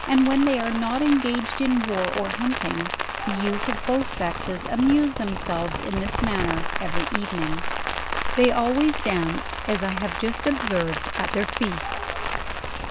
*n they are not engaged in war or hunting, the youth of both sexes amuse themselves in this manner every evening. They always dance, as I have jp.tst observed at their feasts.